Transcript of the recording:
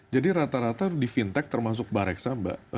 jadi rata rata di fintech termasuk bareksa mbak